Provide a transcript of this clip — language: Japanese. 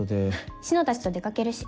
志乃たちと出かけるし。